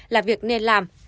là việc nên làm